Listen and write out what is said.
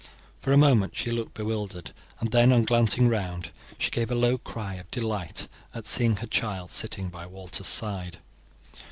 For a moment she looked bewildered, and then, on glancing round, she gave a low cry of delight at seeing her child sitting by Walter's side.